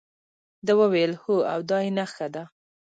ده وویل هو او دا یې نخښه ده.